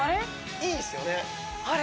いいですよねあれ？